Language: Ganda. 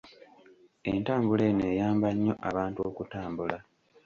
Entambula eno eyamba nnyo abantu okutambula.